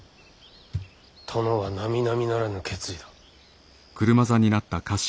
殿はなみなみならぬ決意だ。